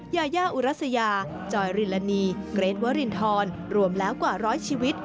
ยายาอุรัสยาจอยริลานีเกรทวรินทรรวมแล้วกว่าร้อยชีวิต